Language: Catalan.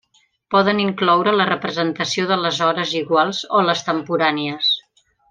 Poden incloure la representació de les hores iguals o les temporànies.